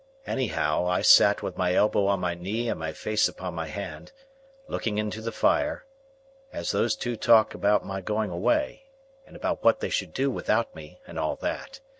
Anyhow, I sat with my elbow on my knee and my face upon my hand, looking into the fire, as those two talked about my going away, and about what they should do without me, and all that.